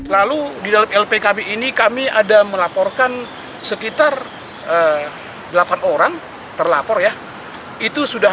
lalu di dalam lpkb ini kami ada melaporkan sekitar delapan orang terlapor ya itu sudah